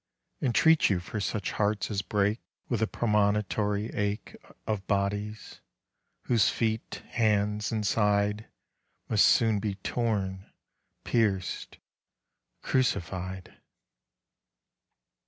Entreat you for such hearts as break With the premonitory ache Of bodies, whose feet, hands, and side, Must soon be torn, pierced, crucified.